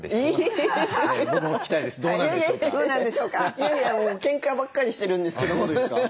いやいやもうけんかばっかりしてるんですけども。